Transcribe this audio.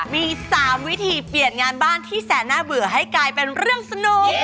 มี๓วิธีเปลี่ยนงานบ้านที่แสนน่าเบื่อให้กลายเป็นเรื่องสนุก